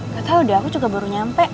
gak tau deh aku juga baru nyampe